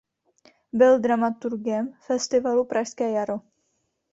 Byl dramaturgem festivalu Pražské jaro.